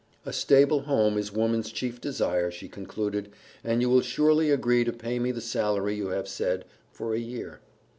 "A stable home is woman's chief desire," she concluded, "and you will surely agree to pay me the salary you have said for a year."